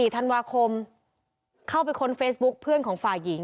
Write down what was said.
ธันวาคมเข้าไปค้นเฟซบุ๊กเพื่อนของฝ่ายหญิง